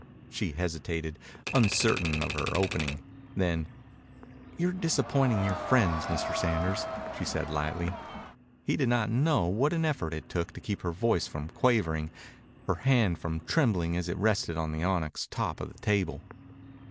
She hesitated, uncertain of her opening. Then, "You're disappointing your friends, Mr. Sanders," she said lightly. He did not know what an effort it took to keep her voice from quavering, her hand from trembling as it rested on the onyx top of the table.